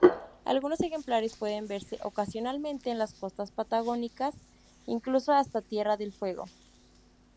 Algunos ejemplares pueden verse ocasionalmente en las costas patagónicas, incluso hasta Tierra del Fuego.